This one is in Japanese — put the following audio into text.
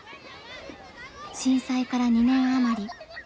震災から２年余り。